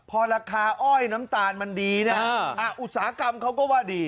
พอราคาอ้อยน้ำตาลมันดีเนี่ยอุตสาหกรรมเขาก็ว่าดี